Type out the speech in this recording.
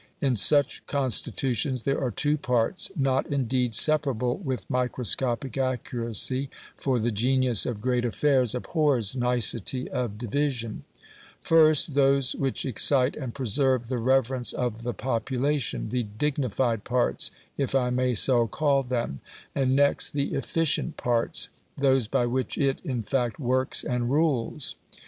In such constitutions there are two parts (not indeed separable with microscopic accuracy, for the genius of great affairs abhors nicety of division): first, those which excite and preserve the reverence of the population the DIGNIFIED parts, if I may so call them; and next, the EFFICIENT parts those by which it, in fact, works and rules.